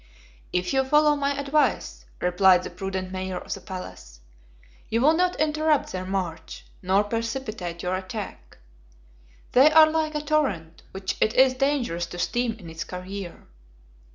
"If you follow my advice," replied the prudent mayor of the palace, "you will not interrupt their march, nor precipitate your attack. They are like a torrent, which it is dangerous to stem in its career.